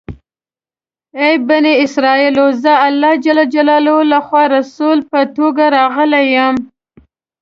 ای بني اسرایلو! زه الله جل جلاله لخوا رسول په توګه راغلی یم.